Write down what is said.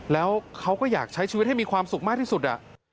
แล้วเขาก็อยากใช้ชีวิตให้มีความสุขมากที่สุด